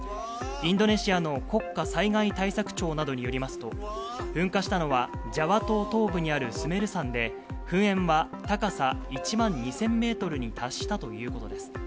インドネシアの国家災害対策庁などによりますと、噴火したのは、ジャワ島東部にあるスメル山で、噴煙は高さ１万２０００メートルに達したということです。